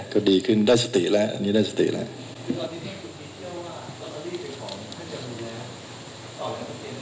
ก็ดีขึ้นได้สติแล้วอันนี้ได้สติแล้ว